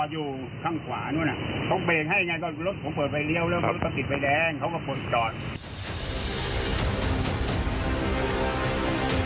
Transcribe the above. รถก็กินไปแดงเขาก็พลจอด